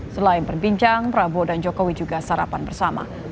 selain berbincang prabowo dan jokowi juga sarapan bersama